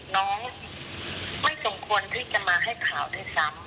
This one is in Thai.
น้องไม่สมควรที่จะมาให้ข่าวด้วยซ้ำ